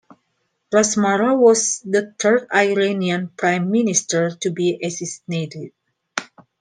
Razmara was the third Iranian prime minister to be assassinated.